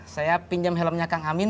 saya pinjam helmnya kang amin